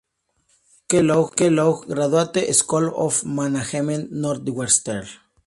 Kellogg Graduate School of Management Northwestern.